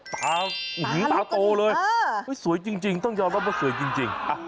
ตาตาโกเลยสวยจริงต้องยอมรับเผื่อเกรื่อยจริง